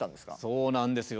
そうなんですよ。